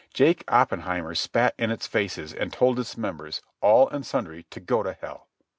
Jake Oppenheimer spat in its faces and told its members, all and sundry, to go to hell.